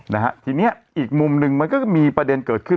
นะฮะทีเนี้ยอีกมุมหนึ่งมันก็มีประเด็นเกิดขึ้น